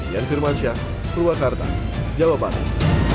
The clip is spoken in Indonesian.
yan firmansyah purwakarta jawa barat